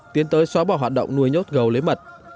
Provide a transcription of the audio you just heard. tiến tới xóa bỏ hoạt động nuôi nhốt gầu lấy mật